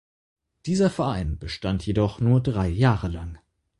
Dieser Verein bestand jedoch nur drei Jahre lang.